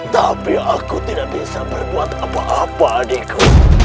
tapi aku tidak bisa berbuat apa apa adikku